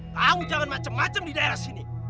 kamu jangan macam macam di daerah sini